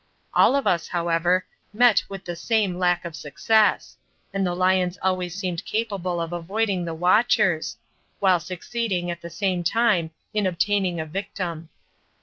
All of us, however, met with the same lack of success, and the lions always seemed capable of avoiding the watchers, while succeeding, at the same time in obtaining a victim.